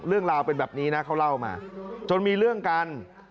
เรื่องราวเป็นแบบนี้นะเขาเล่ามาจนมีเรื่องกัน